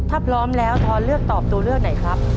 ถ้าพร้อมแล้วทอนเลือกตอบตัวเลือกไหนครับ